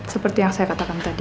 seperti yang saya katakan tadi